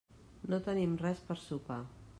No tenim res per sopar.